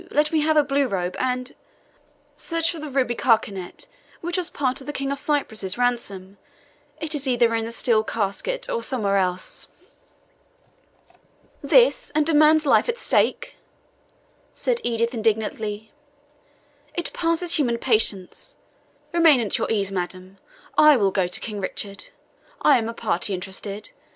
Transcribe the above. let me have a blue robe, and search for the ruby carcanet, which was part of the King of Cyprus's ransom; it is either in the steel casket, or somewhere else." "This, and a man's life at stake!" said Edith indignantly; "it passes human patience. Remain at your ease, madam; I will go to King Richard. I am a party interested.